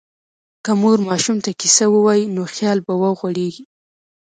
که مور ماشوم ته کیسه ووایي، نو خیال به وغوړېږي.